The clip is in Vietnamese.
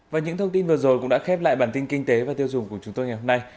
và những thông tin vừa rồi cũng đã khép lại bản tin kinh tế và tiêu dùng của chúng tôi ngày hôm nay